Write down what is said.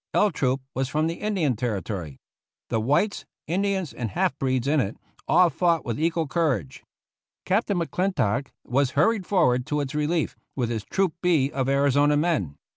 L Troop was from the Indian Territory. The whites, Indians, and half breeds in it, all fought with equal courage. Captain McClintock was hurried forward to its relief with his Troop B of Arizona men.